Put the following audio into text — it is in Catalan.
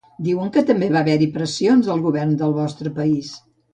Dieu que també va haver-hi pressions del govern del vostre país.